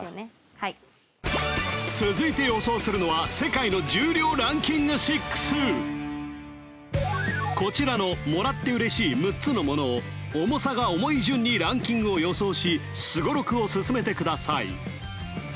はい続いて予想するのはこちらのもらって嬉しい６つのものを重さが重い順にランキングを予想しすごろくを進めてください